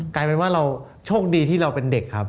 กลายเป็นว่าเราโชคดีที่เราเป็นเด็กครับ